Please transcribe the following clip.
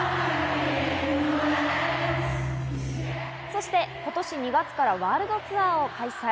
そして今年２月からワールドツアーを開催。